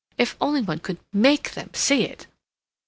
If only one could make them see it...."